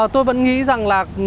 tôi vẫn nghĩ rằng là